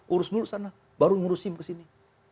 urus dulu sana baru ngurus sim ke sini